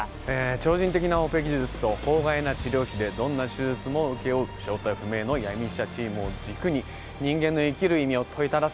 超人的なオペ技術と法外な治療費でどんな手術も請け負う正体不明の闇医者チームを軸に人間の生きる意味を問いただす